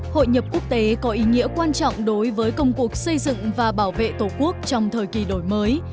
hội nhập quốc tế có ý nghĩa quan trọng đối với công cuộc xây dựng và bảo vệ tổ quốc trong thời kỳ đổi mới